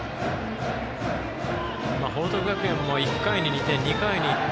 報徳学園も１回に２点２回に１点